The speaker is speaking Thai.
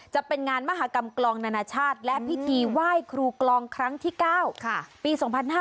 จะเป็นงานมหากรรมกลองนานาชาติและพิธีไหว้ครูกลองครั้งที่๙ปี๒๕๕๙